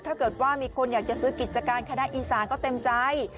ถ้าเกิดว่ามีคนอยากจะซื้อกิจการคณะอีสานก็เต็มใจ